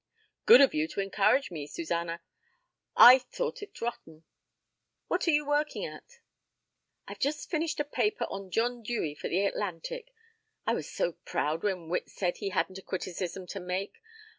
"Good of you to encourage me, Suzanna. I'd thought it rotten. What are you working at?" "I've just finished a paper on John Dewey for the Atlantic. I was so proud when Witt said he hadn't a criticism to make.